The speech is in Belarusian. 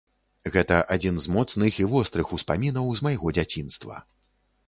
Гэта адзін з моцных і вострых успамінаў з майго дзяцінства.